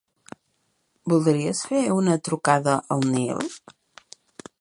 Voldries fer una trucada al Nil?